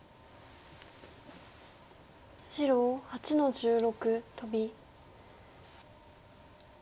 白８の十六トビ。